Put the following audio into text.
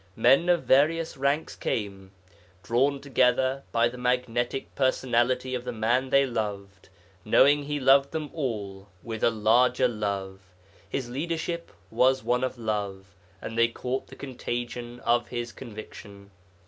Men of various ranks came, drawn together by the magnetic personality of the man they loved, knowing he loved them all with a larger love; his leadership was one of love, and they caught the contagion of his conviction....